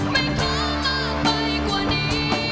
ไม่เคยมากไปกว่านี้